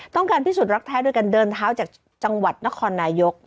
ต้องการพิสูจน์รักแท้ด้วยกันเดินเท้าจากจังหวัดนัคคอนายก